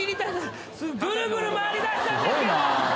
ぐるぐる回りだしたんですけど。